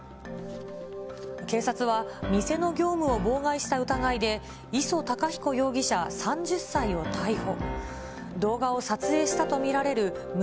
警察は、店の業務を妨害した疑いで礒隆彦容疑者３０歳を逮捕。